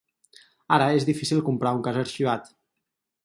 Ara és difícil comprar un cas arxivat.